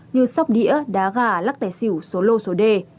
như sóc đĩa đá gà lắc tè xỉu số lô số đê